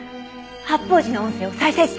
発砲時の音声を再生して！